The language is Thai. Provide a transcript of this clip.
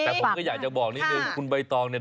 แต่ผมก็อยากจะบอกนิดนึงคุณใบตองเนี่ย